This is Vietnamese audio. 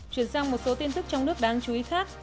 chuyển sang một số tin tức trong nước đáng chú ý khác